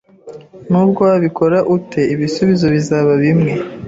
Nubwo wabikora ute, ibisubizo bizaba bimwe